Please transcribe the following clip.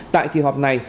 tại kỳ họp này